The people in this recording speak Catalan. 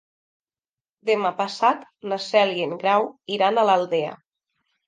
Demà passat na Cel i en Grau iran a l'Aldea.